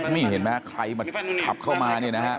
นี่เห็นมั้ยใครมันขับเข้ามา